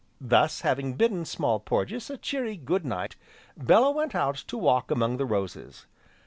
Then, having bidden Small Porges a cheery "Good night" Bellew went out to walk among the roses.